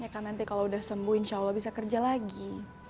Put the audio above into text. ya kan nanti kalau sudah sembuh insya allah bisa kerja lagi